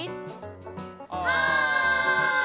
はい！